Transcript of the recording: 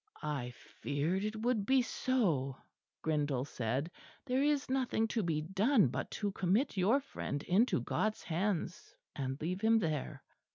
"I feared it would be so," Grindal said. "There is nothing to be done but to commit your friend into God's hands, and leave him there."